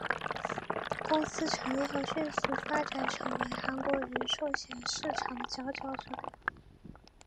公司成立后迅速发展成为韩国人寿险市场的佼佼者。